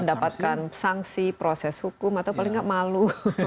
mendapatkan saksi proses hukum atau paling tidak malu